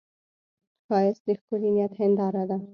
ښایست د ښکلي نیت هنداره ده